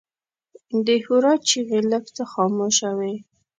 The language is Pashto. د هورا چیغې لږ څه خاموشه وې.